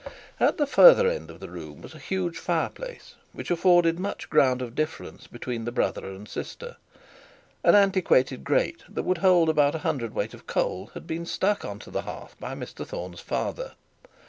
At the further end of the room was a huge fire place, which afforded much ground of difference between the brother and sister. An antiquated grate that would hold about a hundred weight of coal, had been stuck on the hearth, by Mr Thorne's father.